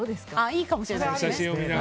いいかもしれないですね。